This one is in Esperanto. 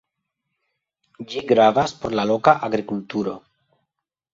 Ĝi gravas por la loka agrikulturo.